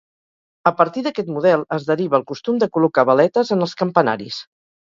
A partir d'aquest model es deriva el costum de col·locar veletes en els campanaris.